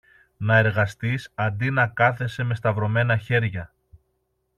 Να εργαστείς αντί να κάθεσαι με σταυρωμένα χέρια!